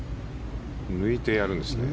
抜いてやるんですね。